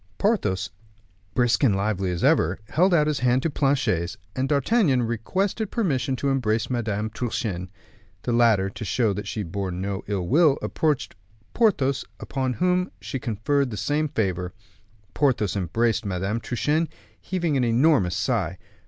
Porthos, brisk and lively as ever, held out his hand to Planchet's, and D'Artagnan requested permission to embrace Madame Truchen. The latter, to show that she bore no ill will, approached Porthos, upon whom she conferred the same favor. Porthos embraced Madame Truchen, heaving an enormous sigh.